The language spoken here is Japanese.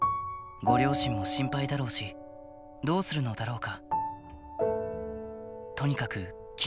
ご両親も心配だろうし、どうするのだろうか。